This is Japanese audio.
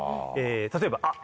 例えばあっ！